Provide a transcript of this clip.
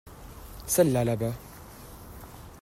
Celle-là là-bas.